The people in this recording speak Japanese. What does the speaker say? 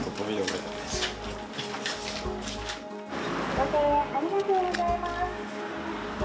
ご声援ありがとうございます。